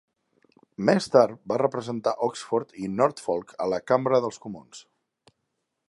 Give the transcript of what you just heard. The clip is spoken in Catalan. Més tard va representar Oxford i Norfolk a la Cambra dels Comuns.